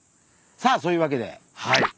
さあそういうわけではい。